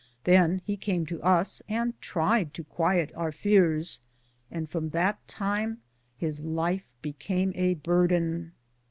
Then he came to us and tried to quiet our fears, and from that time his life be came a burden.